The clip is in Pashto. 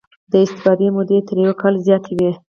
د استفادې موده یې تر یو کال زیاته وي.